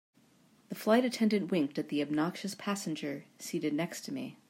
The flight attendant winked at the obnoxious passenger seated next to me.